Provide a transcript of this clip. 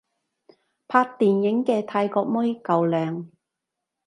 拍電影嘅泰國妹夠靚